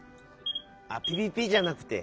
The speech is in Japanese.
あっ「ピピピ」じゃなくて。